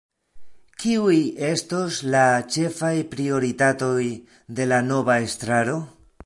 Kiuj estos la ĉefaj prioritatoj de la nova estraro?